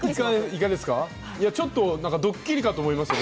ちょっとドッキリかと思いました。